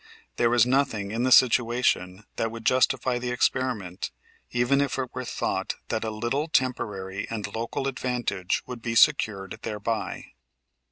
There is nothing in the situation that would justify the experiment, even if it were thought that a little temporary and local advantage would be secured thereby.